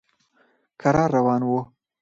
کرار روان و.